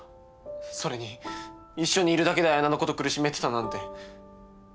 それに一緒にいるだけで綾菜のこと苦しめてたなんて。